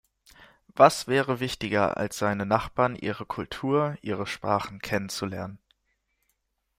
Was wäre wichtiger als seine Nachbarn, ihre Kultur, ihre Sprachen kennen zu lernen?